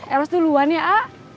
eros duluan ya ah